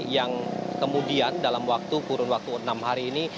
yang kemudian dalam waktu kurun waktu enam hari ini